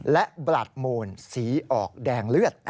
และบลัดมูลสีออกแดงเลือด